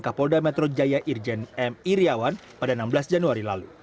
kapolda metro jaya irjen m iryawan pada enam belas januari lalu